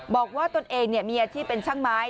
บอกว่าตนเองมีอาทิตย์เป็นช่างไม้